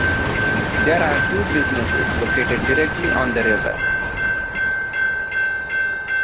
There are two businesses located directly on the river.